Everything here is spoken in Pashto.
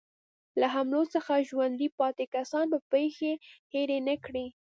له حملو څخه ژوندي پاتې کسان به پېښې هېرې نه کړي.